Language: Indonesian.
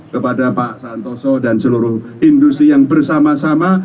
kepada pak santoso dan seluruh industri yang bersama sama